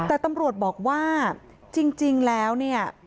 แต่ตำรวจบอกว่าจริงแล้วเนี่ย